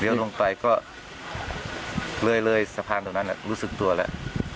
เดี๋ยวลงไปก็เรื่อยสะพานตรงนั้นรู้สึกตัวแล้ว